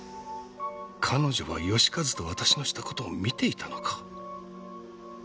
彼女は佳和と私のした事を見ていたのか？